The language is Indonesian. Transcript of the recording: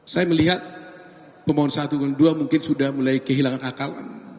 saya melihat pemohon satu dan dua mungkin sudah mulai kehilangan akal